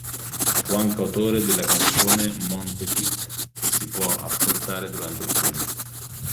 Fu anche autore della canzone "Mon Petit", che si può ascoltare durante il film.